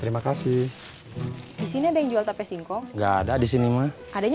menurut pasok mampu punya